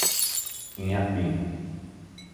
Inhapim